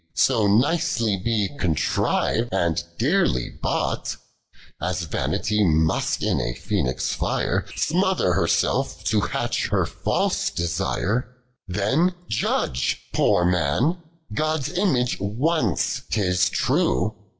So nicely he contriv'd and dearly boogh^ As vanity must in a phnnix fire Smother her self to hatch her false deein! : 41. Then j udge, poor man — Ood's image once, 'tis tme.